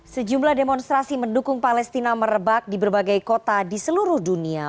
sejumlah demonstrasi mendukung palestina merebak di berbagai kota di seluruh dunia